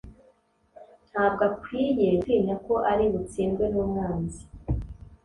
ntabwo akwiriye gutinya ko ari butsindwe n’umwanzi